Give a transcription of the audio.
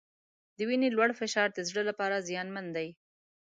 د وینې لوړ فشار د زړه لپاره زیانمن دی.